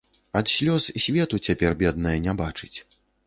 Ад слёз свету цяпер, бедная, не бачыць.